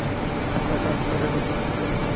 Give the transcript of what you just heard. আপনার কাজ তাদের বাঁচিয়ে রাখা, তাই নয় কি?